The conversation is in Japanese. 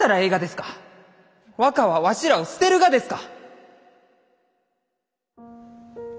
若はわしらを捨てるがですか？